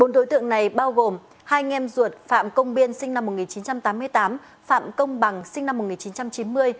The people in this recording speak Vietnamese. bốn đối tượng này bao gồm hai anh em ruột phạm công biên sinh năm một nghìn chín trăm tám mươi tám phạm công bằng sinh năm một nghìn chín trăm chín mươi